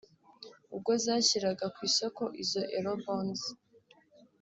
ubwo zashyiraga ku isoko izo Eurobonds